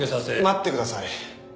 待ってください。